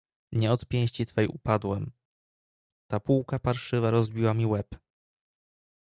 "Nie od pięści twej upadłem, ta półka parszywa rozbiła mi łeb."